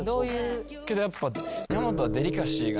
けどやっぱ。